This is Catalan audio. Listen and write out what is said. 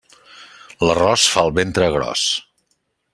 L'arròs fa el ventre gros.